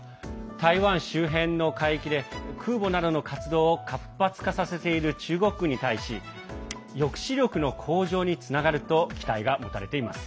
台湾周辺の海域で空母などの活動を活発化させている中国に対し抑止力の向上につながると期待が持たれています。